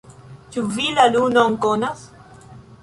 Ĉu vi la lunon konas?